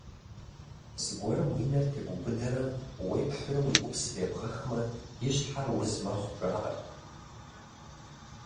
Зыгуэрым уи нэр тебубыдэрэ уеплъурэ уи ӏупсыр ебгъэхмэ, и щхьэр уз мэхъу, жаӏэрт.